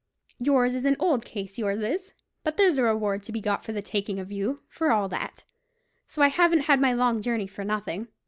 Yours is an old case, yours is; but there's a reward to be got for the taking of you, for all that. So I haven't had my long journey for nothing."